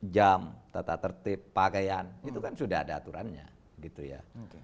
jam tata tertib pakaian itu kan sudah ada aturannya gitu ya